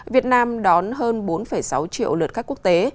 việt nam đón hơn bốn sáu triệu lượt khách quốc tế